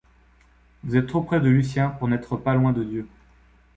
Vous êtes trop près de Lucien pour n’être pas loin de Dieu.